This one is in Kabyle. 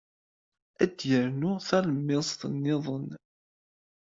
Ad ak-d-yernu talemmiẓt niḍen.